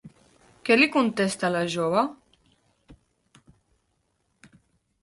Què li contesta la jove?